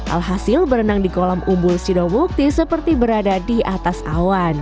alhasil berenang di kolam umbul sidowukti seperti berada di atas awan